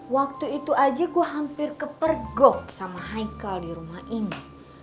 waktu itu aja gue hampir kepergok sama hicle di rumah ini